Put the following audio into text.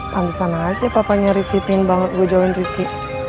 pantesan aja papanya rivki pingin banget gue join rivki